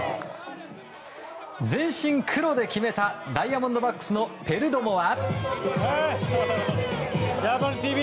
全身黒で決めたダイヤモンドバックスのペルドモは。